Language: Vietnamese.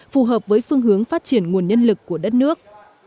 phù hợp với phương hướng phát triển nguồn nhân lực của đất nước